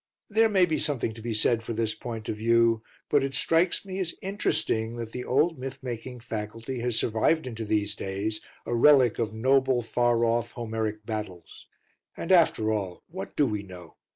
There may be something to be said for this point of view, but it strikes me as interesting that the old myth making faculty has survived into these days, a relic of noble, far off Homeric battles. And after all, what do we know?